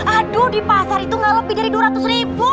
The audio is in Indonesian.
aduh di pasar itu nggak lebih dari dua ratus ribu